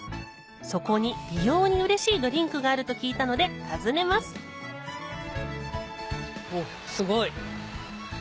そこに美容にうれしいドリンクがあると聞いたので訪ねますおっすごい。